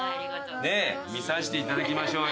見さしていただきましょう。